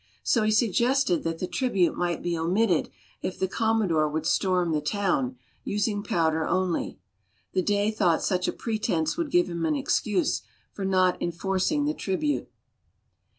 So he suggested that the tribute might be omitted if the Commodore would storm the town, using powder only. The Dey thought such a pretense would give him an excuse for not enforcing the tribute.